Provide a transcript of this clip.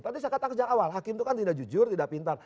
tadi saya katakan sejak awal hakim itu kan tidak jujur tidak pintar